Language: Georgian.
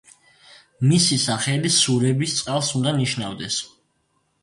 მისი სახელი სურების წყალს უნდა ნიშნავდეს.